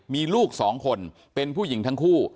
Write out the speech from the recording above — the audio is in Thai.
มีลูกสองคนเป็นผู้หญิงทั้งคู่